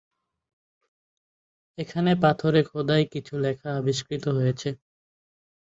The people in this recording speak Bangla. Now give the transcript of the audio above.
এখানে পাথরে খোদাই কিছু লেখা আবিস্কৃত হয়েছে।